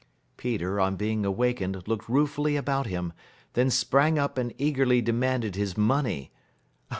Peter on being awakened looked ruefully about him, then sprang up and eagerly demanded his money.